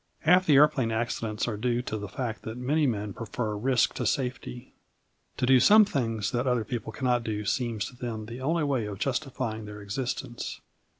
Half the aeroplane accidents are due to the fact that many men prefer risk to safety. To do some things that other people cannot do seems to them the only way of justifying their existence.